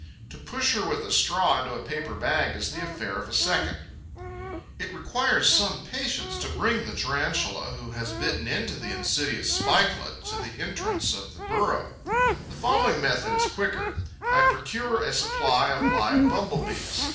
To push her with a straw into a paper bag is the affair of a second. It requires some patience to bring the Tarantula who has bitten into the insidious spikelet to the entrance of the burrow. The following method is quicker: I procure a supply of live Bumble bees.